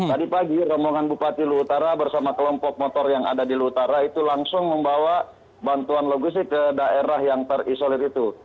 tadi pagi rembongan bupati luhutara bersama kelompok motor yang ada di luhutara itu langsung membawa bantuan logistik ke daerah yang terisolir itu